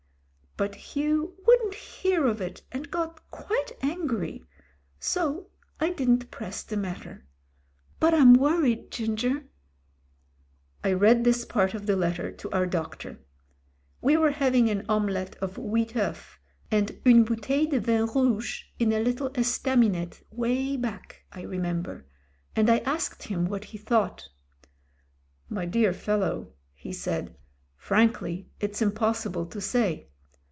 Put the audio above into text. But Hugh wouldn't hear of it, and got quite angry — so I didn't press the matter. But I'm worried. Ginger. ..." I read this part of the letter to our doctor. We were having an omelette of huit oeufs, and une bouteille de vin rouge in a little estaminet way back, I remember ; and I asked him what he thought. "My dear fellow," he said, "frankly it's impossible to say.